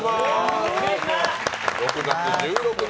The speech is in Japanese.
６月１６日